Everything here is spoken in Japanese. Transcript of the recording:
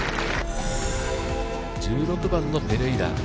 １６番のペレイラ。